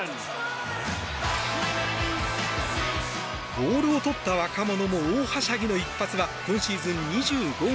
ボールをとった若者も大はしゃぎの一発は今シーズン２５号。